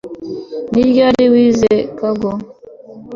Ni ryari wize koga